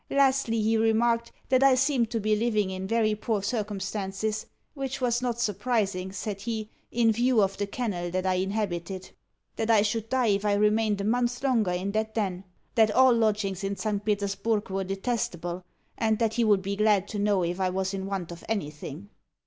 Lastly, he remarked that I seemed to be living in very poor circumstances (which was not surprising, said he, in view of the kennel that I inhabited); that I should die if I remained a month longer in that den; that all lodgings in St. Petersburg were detestable; and that he would be glad to know if I was in want of anything.